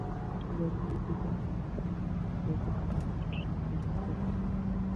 ازادي راډیو د هنر په اړه د حقایقو پر بنسټ راپور خپور کړی.